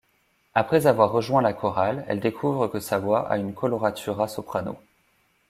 Après avoir rejoint la chorale, elle découvre que sa voix a une coloratura soprano.